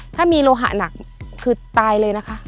ถ้ามีโลหะหนักคือตายเลยนะคะ